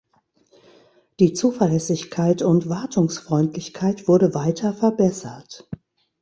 Die Zuverlässigkeit und Wartungsfreundlichkeit wurde weiter verbessert.